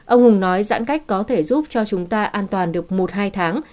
ông hùng nói giãn cách có thể giúp cho chúng ta an toàn được một hai tháng